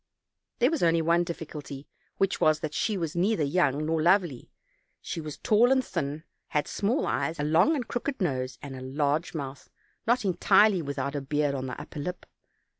There was only one difficulty, which was, that she was neither young nor lovely; she was tall and thin, had small eyes, a long and crooked nose, and a large mouth, not entirely without a beard on the upper lip.